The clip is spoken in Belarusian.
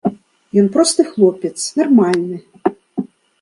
Ён просты хлопец, нармальны.